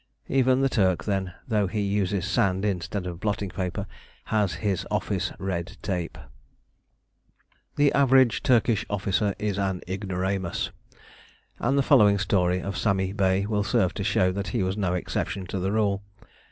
Even the Turk, then, though he uses sand instead of blotting paper, has his office "red tape"! The average Turkish officer is an ignoramus, and the following story of Sami Bey will serve to show that he was no exception to the rule.